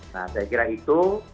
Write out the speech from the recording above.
nah saya kira itu